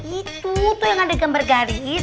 itu tuh yang ada gambar garis